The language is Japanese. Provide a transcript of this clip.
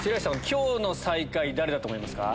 今日の最下位誰だと思いますか？